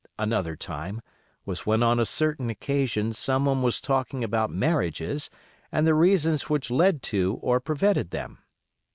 Another time was when on a certain occasion some one was talking about marriages and the reasons which led to or prevented them.